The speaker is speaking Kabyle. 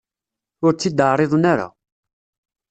Ur tt-id-ɛriḍen ara.